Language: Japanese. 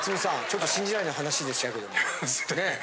ちょっと信じられない話でしたけどもねぇ。